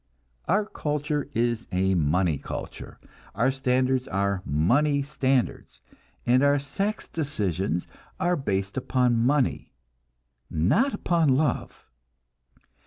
Our culture is a money culture, our standards are money standards, and our sex decisions are based upon money, not upon love.